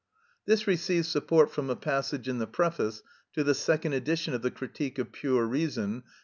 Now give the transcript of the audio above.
This receives support from a passage in the preface to the second edition of the "Critique of Pure Reason," pp.